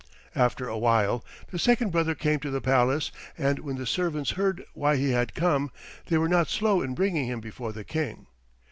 After a while the second brother came to the palace, and when the servants heard why he had come they were not slow in bringing him before the King.